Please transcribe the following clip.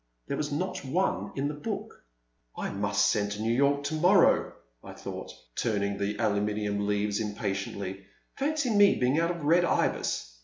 There was not one in the book. I must send to New York to morrow, I thought, turning the aluminum leaves impa tiently; fancy my being out of Red Ibis!